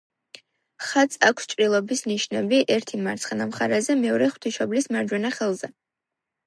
ხატს აქვს ჭრილობის ნიშნები: ერთი მარცხენა მხარეზე, მეორე ღვთისმშობლის მარჯვენა ხელზე.